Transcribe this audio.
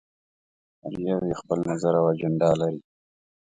هر يو یې خپل نظر او اجنډا لري.